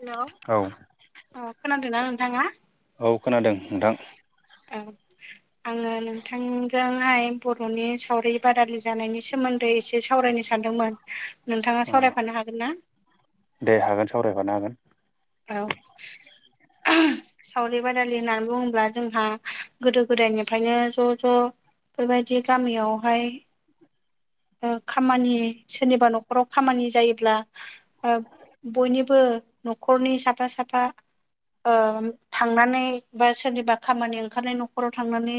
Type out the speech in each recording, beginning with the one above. हेल'। औ। अ खोनादोंना‌ नोंथाआ? औ खोनादों नोंथां। उम। आङो नोंथांजोंहाय बर'नि सावरि बादालि जानायनि सायाव सोमोन्दै एसे सावरायनो सानदोंमोन औ नोंथाङा सावरायफानो हागोन ना। दे हागोन सावरायफानो हागोन। औ। सावरि बादालि होननानै बुङोब्ला जोंहा गोदो गोदायनिफ्रायनो ज' ज' बेबायदि गामियावहाय खामानि सोरनिबा न'खराव खामानि जायोब्ला बयनिबो न'खरनि साफा साफा थांनानै बा सोरनिबा खामानि ओंखारनाय न'खराव थांनानै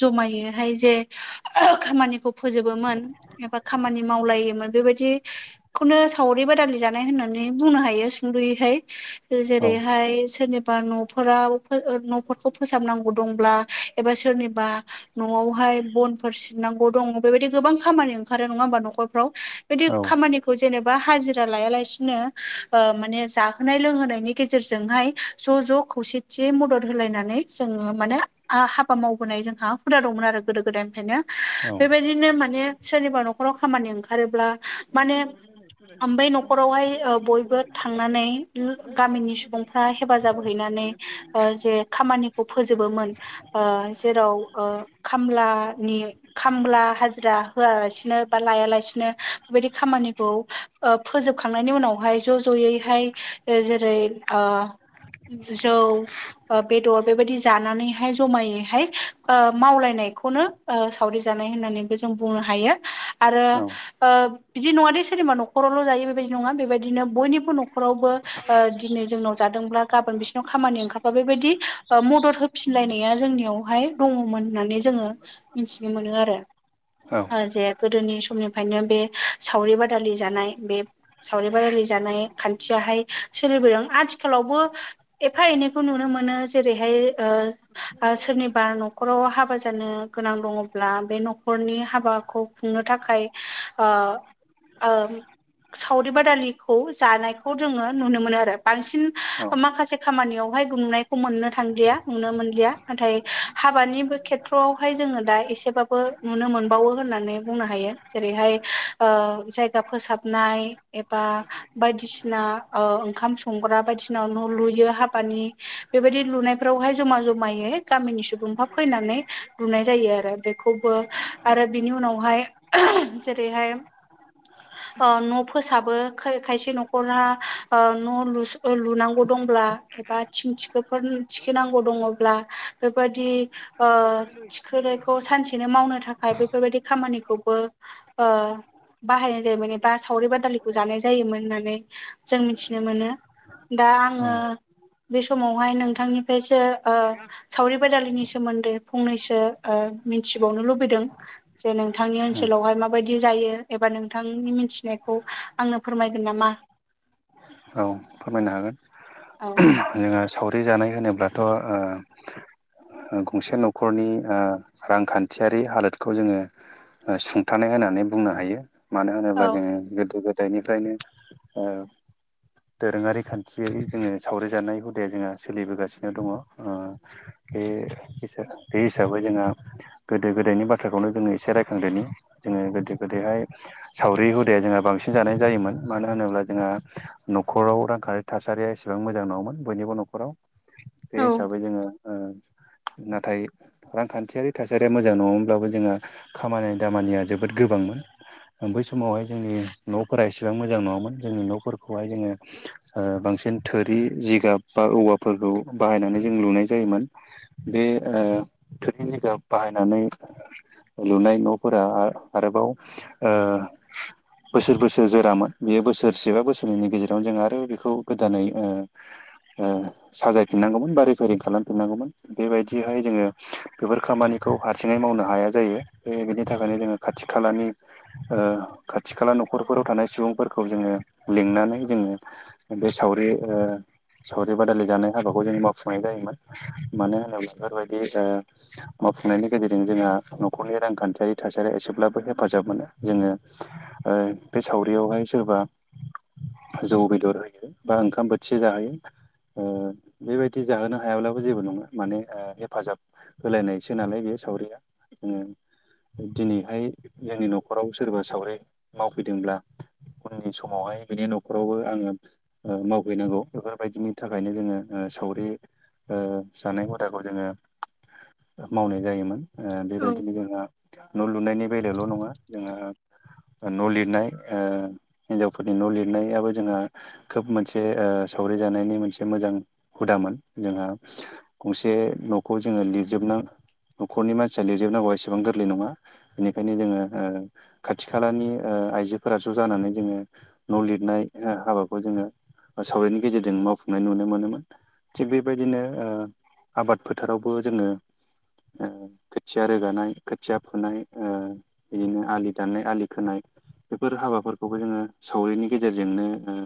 जमायोहाय जे खामानिखौ फोजोबोमोन एबा खामानि मावलायोमोन बेबायदि खौनो सावरि बादालि जानाय होननानै बुंनो हायो सुंद'यैहाय। जेरैहाय सोरनिबा न'। नाव न'रफोरखौ फोसाबनांगौ दंब्ला एबा सोरनिबा न'आवहाय बनफोर सिबनांगौ दङ बेबायदि गोबां खामानि ओं खारोङा हबा न'रफ्राव बि औ खामानि खौ जेनेबा हाजिरा लाया लासेनो माने जाहोनाय लोंहोनायनि गेजेरजोंहाय ज' ज' खौसेथियै मदद होलायनानै जोङो माने हाबा मावबोनाय जोंहा हुदा दंमोन आरो गोदो गोदायनिफ्रायनो औ बेबायदिनो माने सोरनिबा न'खराव खामानि ओंखारोब्ला माने बै न'खरावहाय ओ बयबो थांनानै गामिनि सुबुंफ्रा हेफाजाब हैनानै ओ जे खामानिखौ फोजोबोमोन। ओ जेराव ओ खामलानि खामला हाजिरा होआ लासिनो बा लाया लासेनो बेबायदि खामानिखौ ओ फोजोबखांनायनि उनावहाय ज' ज'यैहाय ओ जेरै जौ ओ बेदर बेबायदि जानानैहाय जमायैहाय मावलायनायखौनो ओ सावरि जानाय होननानैबो जों बुंनो हायो आरो औ ओ बिदि नङादे सोरनिबा न'खरावल' जायो बेबायदि नङा बेबायदिनो बयनिबो न'खरावबो ओ दिनै जोंनाव जादोंब्ला गाबोन बिसिनाव खामानि ओंखारबा बेबायदि मदद हो फिनलायनाया जोंनियावहाय दङमोन होननानै जोङो मिथिनो मोनो आरो। औ ओ जे गोदोनि समनिफ्रायनो बे सावरि बादालि जानाय बे सावरि बादालि जानाय खान्थियाहाय सोलिबोदों आथिखालावबो एफा एनैखौ नुनो मोनो जेरैहाय ओ सोरनिबा न'खराव हाबा जानो गोनां दङब्ला बे न'खरनि हाबा हाबाखौ खुंनो थाखाय ओ ओ सावरि बादालिखौ जानायखौ जोङो नुनो मोनो आरो बांसिन माखासे खामानियावहाय गुमनायखौ मोननो थांलिया नुनो मोनलिया नाथाय हाबानिबो खेथ्र'आवहाय जोङो दा एसेबाबो नुनो मोन बावो होननानै बुंनो हायो जेरैहाय ओ जायगा फोसाबनाय एबा बायदिसिना ओ ओंखाम संग्रा बायदिसिना न' लुयो हाबानि बेबायदि लुनायफ्रावहाय जमा जमायै गामिनि सुबुंफ्रा फैनानै लुनाय जायो आरो बेखौबो आरो बिनि उनावहाय जेरैहाय ओ न' फोसाबो खायसे न'खरा ओ न' लुनांगौ दंब्ला एबा थिं थिखोफोर थिखि नांगौ दङब्ला बेफोरबादि ओ थिखोनायखौ सानसेनो मावनो थाखा य बेफोरबायाददि खामानिखौबो ओ बाहायनाय जायोमोन एबा सावरि बादालिखौ जानाय जायोमोन होननानै जों मिथिनो मोनो। दा आङो बे समावहाय नोंथांनिफ्रायसो ओ सावरि बादालिनि सोमोन्दै फंनैसो मिथिबावनो लुबैदों। जे नोंथांनि ओनसोलावहाय मा बायदि जायो एबा नोंथांनि मिथिनायखौ आंनो फोरमायगोन नामा। औ फोरमायनो हागोन औ जोङो जोंहा साव रि जानाय होनोब्लाथ' ओ ओ गंसे न'खरनि ओ रांखान्थियारि हालोदखौ जोङो ओ सुंथानाय होननानै बुंनो हायो मानो औ होनोब्ला जोङो गोदो गोदायनिफ्रायनो ओ दोरोङारि खान्थियै जोङो सावरिजानाय हुदाया जोंहा सोलिबोगासिनो दङ ओ बे बे हिसाबै जोंहा गोदो गोदायनि बाथ्राखौनो जोङो एसे रायखांदोनि जोङो गोदो गोदैहाय सावरि हुदाया जोंहा बांसिन जानाय जायोमोन मानो होनोब्ला जोंहा न'खराव रांखान्थि थासारिया एसेबां मोजां नङामोन बयनिबो न'खराव बे औ हिसाबै जोङो ओ नाथाय रांखान्थियारि थासारिया मोजां नङोनब्लाबो जोंहा खामानि दामानिया जोबोद गोबांमोन। बै समावहाय जोंनि न'फोरा एसेबां मोजां नङामोन जोंनि न'फोरखौहाय जोङो ओ बांसिन थोरि जिगाब बा औवाफोरखौ बाहायनानै जों लुनाय जायोमोन। बे ओ थोरिनि जायगायाव बाहायनानै लुनाय न'फोरा आ-आरोबाव ओ बोसोर बोसोर जोरामोन बेयो बोसोरसेबा बोसोरनैनि गेजेरावनो जों आरो बेखौ गोदानै ओ ओ साजायफिननांगौमोन बा रेफायरिं खालामफिननांगौमोन। बेबायदिहाय जोङो बेफोर खामानिखौ हारसिङै मावनो हाया जायो बे बेनि थाखायनो जोङो खाथि खालानि ओ खाथि खाला न'खरफोराव थानाय सुबुंफोरखौ जोङो लिंनानै जोङो बे सावरि ओ सावरि बादायलि जानाय हाबाखौ जों मावफुंनाय जायोमोन मानो होनोब्ला बेफोरबायदि ओ मावफुंनायनि गेजेरजों जोंहा न'खरनि रांखान्थियारि थासारिया एसेब्लाबो हेफाजाब मोनो जोङो। ओ बे सावरियावहाय सोरबा जौ बेदर बा ओंखाम बोथिसे जाहोयो। ओ बेबायदि जाहोनो हायाब्लाबो जेबो नङा माने ओ हेफाजाब होलायनायसो नालाय बे सावरिया जोङो दिनैहाय जोंनि न'खराव सोरबा सावरि मावफैदोंब्ला उननि समावहाय बिनि न'खरावबो आङो ओ मावहैनांगौ बेफोरबायदिनि थाखायनो जोङो ओ सावरि ओ जानाय हुदाखौ जोङो मावनाय जायोमोन ओ औ बेबायदिनो जोंहा न' लुनायनि बेलायावल' नङा जोंहा न' लिरनाय ओ हिन्जावफोरनि न' लिरनायाबो जोंहा खोब मोनसे ओ सावरि जानायनि मोनसे मोजां हुदामोन। जोंहा गंसे न'खौ जोङो लिरजोबनो न'खरनि मानसिया लिरजोबनांगौआ एसेबां गोरलै नङा। बेनिखायनो जोङो ओ खाथि खालानि ओ आइजोफोरा ज' जानानै जोङो न' लिरनाय हाबाखौ जोङो सावरिनि गेजेरजों मावफुंनाय नुनो मोनोमोन। थिग बेबायदिनो ओ आबाद फोथारावबो जोङो ओ खोथिया रोगानाय खोथिया फुनाय ओ बिदिनो आलि दाननाय आलि खोनाय। बेफोर हाबाफोरखौबो जोङो सावरिनि गेजेरजोंनो ओ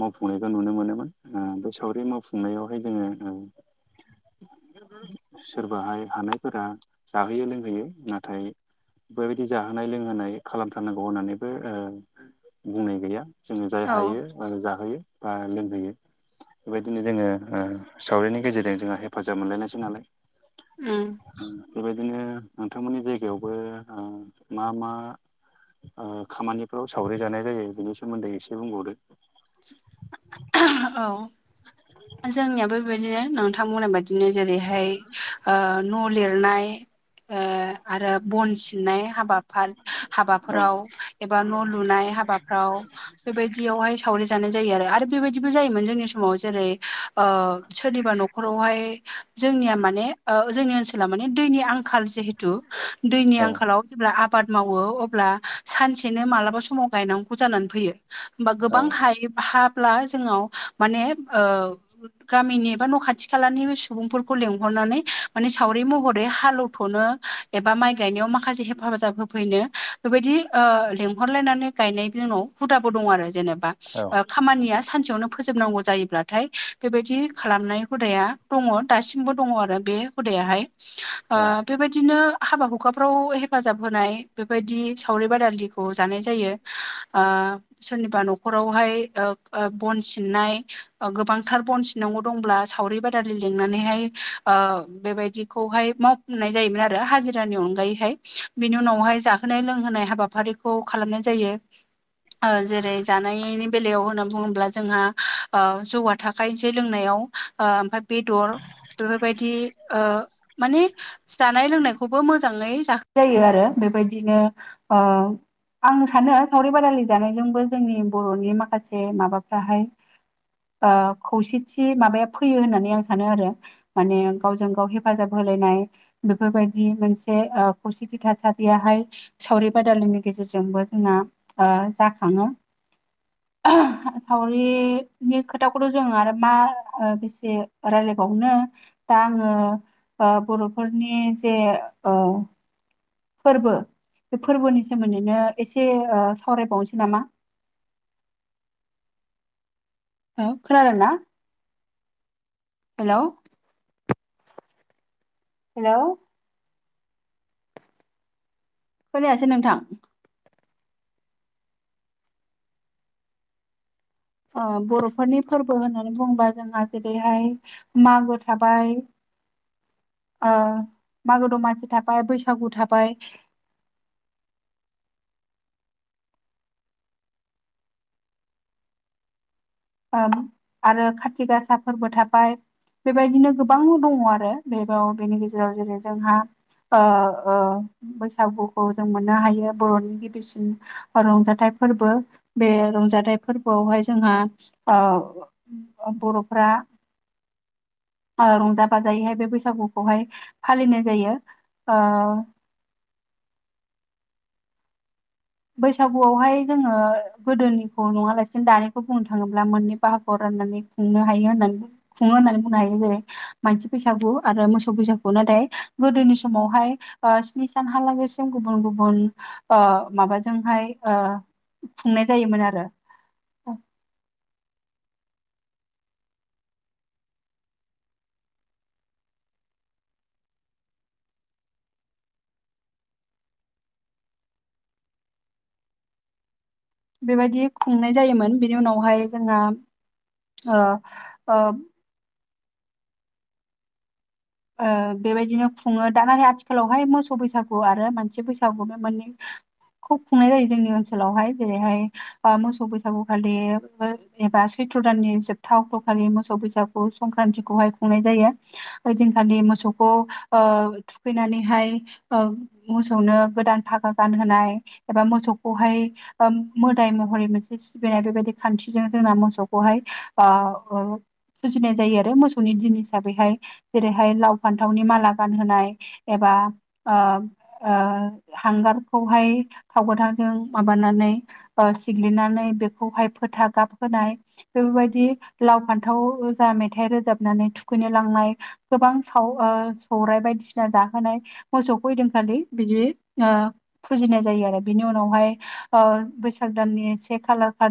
मावफुंनायखौ नुनो मोनोमोन ओ बे सावरि मावफुंनायावहाय जोङो ओ सोरबाहाय हानायफोरा जाहोयो लोंहोयो नाथाय बेबायदि जाहोनाय लोंहोनाय खालामथारनांगौ होननानैबो ओ बुंनाय गैया जोङो जाय औ हायो आरो जाहोयो बा लोंहोयो। बेबायदिनो जोङो ओ सावरिनि गेजेरजों जोंहा हेफाजाब मोनलायनायसै नालाय। ओम। बेबायदिनो नोंथांमोननि जायगायावबो ओ मा मा ओ खामानिफ्राव सावरि जानाय जायो बिनि सोमोन्दै एसे बुंबावदो। औ जोंनियाबो बेबायदिनो नोंथां बुंनाय बायद दिनो जेरैहाय ओ न' लिरनाय ओ आरो बन सिननाय हाबाफार औ हाबाफोराव एबा न' लुनाय हाबा गाव बेबायदियावहाय सावरि जानाय जायो आरो। आरो बेबायद दिबो जायोमोन जोंनि समाव ओ जेरै सोरनिबा न'खरावहाय जोंनिया माने ओ जोंनि ओनसोला माने दैनि आंखाल जिहेथु दैनि आंखालाव जेब्ला आबाद मावो अब्ला सानसेनो मालाबा समाव गायनांगौ जानानै फैयो। होमबा औ गोबां हाय हाब्ला जोंनाव माने ओ गामिनि एबा न' खाथि खालानि सुबुंफोरखौ लेंंहरनानै माने सावरि महरै हालौथ'नो एबा माइ गायनायाव माखासे हेफाजाब होफैनो बेबायदि ओ लेंहरलायनानै गायनायनि उनाव हुदाबो दङ आरो जेनेबा औ ओ खामानिया सा नसेयावनो फोजोबनांगौ जायोब्लाथाय बेबायदि खालामनाय हुदाया दङ दासिमबो दङ आरो बे हुदायाहाय ओ औ बेबायदिनो हाबा हुखाफ्राव हेफाजाब होनाय बेबायदि सावरि बादालिखौ जानाय जायो। ओ सोरनिबा न'खरावहाय ओ ओ बन सिननाय। गोबांथार बन सिनांगौ दंब्ला सावरि बादालि लिंनानैहाय ओ बेबायदिखौहाय माव नाय जायोमोन आरो हाजिरानि अनगायैहाय बिनि उनावहाय जाहोनाय लोंहोनाय हाबाफारिखौ खालामनाय जायो। [inaudible] ओ जेरै जानायनि बेलायाव होनना बुङोब्ला जोंहा जौगा थाख जे लोंनायाव ओमफ्राय बेदर बेफोरबायदि माने जानाय लोंनायखौबो मोजाङै जाखो जायो आरो। बेबायदिनो ओ आं सानो सावरि बादालि जानायजोंबो जोंनि बर'नि माखासे माबाफ्राहाय खौसेथि माबाया फैयो होननानै आं सानो आरो। माने गावजों गाव हेफाजाब होलायनाय। बेफोरबायदि मोनसे खौसेथि थासारियाहाय सावरि बादालिनि गेजेरजोंबो जोंना जाखाङो। [unintelligible] फावरिनि खोथाखौथ' जों आरो मा बेसे राय्लायबावनो? दा आङो बर'फोरनि जे ओ फोरबो बे फोरबोनि सोमोन्दैनो एसे सावरायबावनोसै नामा? औ खोनादों ना? हेल'। हेल'। खोनायासै नोंथां। बर'फोरनि फोरबो होननानै बुंबा जोंहा जेरैहाय मागो थाबाय मागो दमासि थाबाय, बैसागु थाबाय। आरो खाथि गासा फोरबो थाबाय। बेबायदिनो गोबां दङ आरो बेयाव बेनि गेजेराव जेरै जोंहा बैसागुखौ जों मोननो हायो बर'नि गिबिसिन रंजाथाइ फोरबो बे रंजाथाइ फोरबोआवहाय जोंहा बर'फ्रा रंजा बाजायैहाय बे बैसागुखौहाय फालिनाय जायो। ओ बैसागुआवहाय जोङो गोदोनिखौ नङालासिनो दानिखौ बुंनो थाङोब्ला मोननै बाहागोआव राननानै खुंनो हायो होननानै खुङो होननानै बुंनो हायो जेरै मानसि बैसागु आरो मोसौ बैसागु, नाथाय गोदोनि समावहाय स्नि सानहालागैसिम गुबुन गुबुन माबा जोंहाय खुंनाय जायोमोन आरो। बेबायदि खुंनाय जायोमोन बिनि उनावहाय जोंहा ओ ओ ओ बेबायदिनो खुङो दाना आथिखालावहाय मोसौ बैसागु आरो मोनसे बैसागु बे मोननै खुब खुंनाय जायो जोंनि ओनसोलावहाय जेरैहाय मोसौ बैसागुखालि एबा सैथ्र दाननि जोबथा अक्ट'खालि मोसौ बैसागु संक्रान्तथिखौहाय खुंनाय जायो। ओइदिनखालि मोसौखौ थुखैनानैहाय ओ मोसौनो गोदान फागा गानहोनाय एबा मोसौखौहाय मोदाय महरै मोनसे सिबिनाय बेबायदि खान्थिजों जोंना मोसौखौहाय फुजिनाय जायो आरो मोसौनि दिन हिसाबैहाय। जेरैहाय लाव फान्थावनि माला गानहोनाय एबा ओ हांगारखौहाय थावबाय थादों माबानानै सिग्लिनानै बेखौहाय फोथा गाब होनाय। बेफोरबायदि लाव फान्थाव जा मेथाइ रोजाबनानै थुखैनो लांनाय। गोबां साव सौरायाइ बायदिसिना जाहोनाय। मोसौ फैदों खालि बिदि ओ फुजिनाय जायो आरो बिनि उनावहाय बैसाग दाननि से खालार खालि